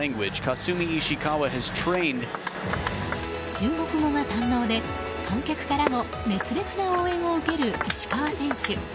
中国語が堪能で、観客からの熱烈な応援を受ける石川選手。